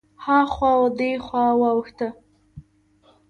هخوا او دېخوا واوښته.